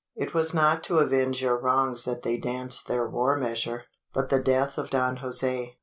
It was not to avenge your wrongs that they danced their war measure but the death of Don Jose.